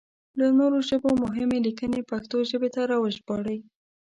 له نورو ژبو مهمې ليکنې پښتو ژبې ته راوژباړئ!